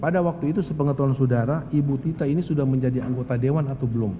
pada waktu itu sepengetahuan saudara ibu tita ini sudah menjadi anggota dewan atau belum